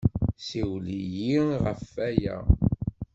Ssiwel yid-i ɣef waya.